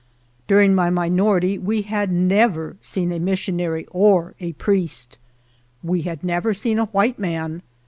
During my minority we had never seen a missionary or a priest. We had never seen a white man.